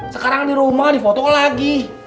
sekarang di rumah difoto lagi